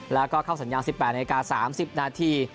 แล้วก็เข้าสัญญาณ๑๘นาที๓๐นาที